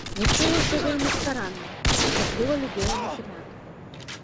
Вучылася вельмі старанна, асабліва любіла матэматыку.